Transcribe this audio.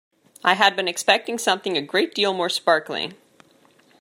I had been expecting something a great deal more sparkling.